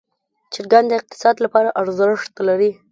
چرګان د اقتصاد لپاره ارزښت لري.